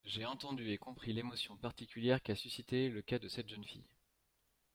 J’ai entendu et compris l’émotion particulière qu’a suscitée le cas de cette jeune fille.